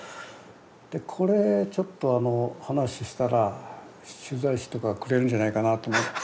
でこれちょっと話したら取材費とかくれるんじゃないかなと思って。